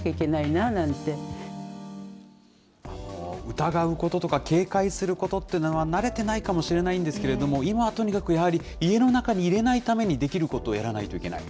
疑うこととか、警戒することっていうのは、慣れてないかもしれないんですけれども、今はとにかくやはり、家の中に入れないためにできることをやらないといけない。